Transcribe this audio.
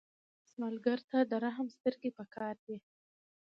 سوالګر ته د رحم سترګې پکار دي